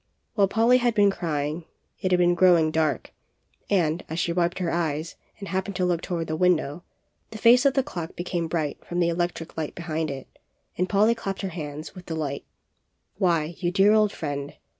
While Polly had been crying it had been growing dark, and, as she wiped her eyes and happened to look toward the window, the face of the clock became bright from the electric light 62 POLLY'S CLOCK, behind it, and Polly clapped her hands with delight. 'Why, you dear old friend!